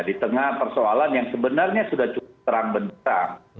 di tengah persoalan yang sebenarnya sudah cukup terang bentang